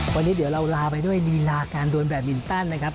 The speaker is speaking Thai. วันนี้เดี๋ยวเราลาไปด้วยลีลาการโดนแบบมินตันนะครับ